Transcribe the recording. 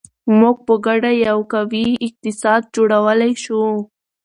موږ په ګډه یو قوي اقتصاد جوړولی شو.